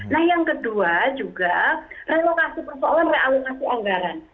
nah yang kedua juga relokasi persoalan realokasi anggaran